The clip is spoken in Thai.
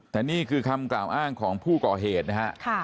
แต่นี่คือคำกล่าวอ้างของผู้ก่อเหตุนะฮะ